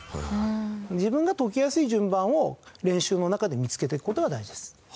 自分が解きやすい順番を練習の中で見つけていく事が大事です。